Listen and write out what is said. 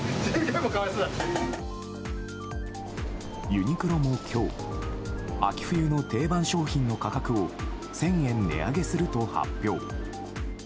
ユニクロも今日秋冬の定番商品の価格を１０００円値上げすると発表。